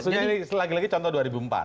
maksudnya ini lagi lagi contoh dua ribu empat